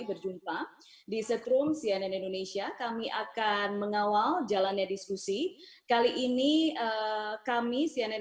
berjumpa di setrum cnn indonesia kami akan mengawal jalannya diskusi kali ini kami cnn